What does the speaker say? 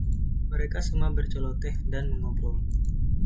Mereka semua berceloteh dan mengobrol.